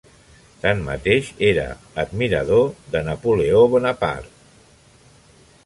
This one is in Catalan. Tanmateix, era admirador de Napoleó Bonaparte.